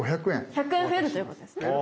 １００円増えるということですね。